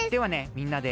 みんなで。